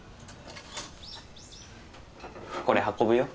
これ運ぶよ。